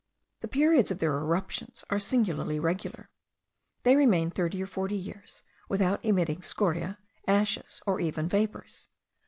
The periods of their eruptions are singularly regular. They remain thirty or forty years without emitting scoriae, ashes, or even vapours.